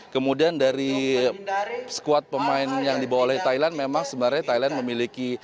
kemudian dari squad pemain yang dibawa oleh thailand memang sebenarnya thailand memiliki